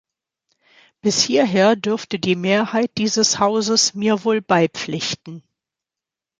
Bis hierher dürfte die Mehrheit dieses Hauses mir wohl beipflichten.